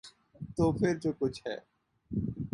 تو پھر جو کچھ ہے۔